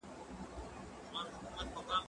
دا موبایل له هغه ګټور دی!.